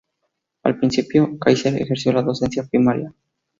Al principio, Kaiser ejerció la docencia primaria.